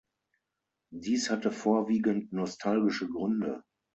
Dies hatte vorwiegend nostalgische Gründe.